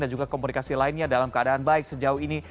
dan juga komunikasi lainnya dalam keadaan baik sejauh ini